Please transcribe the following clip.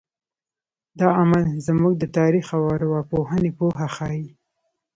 دا عمل زموږ د تاریخ او ارواپوهنې پوهه ښیي.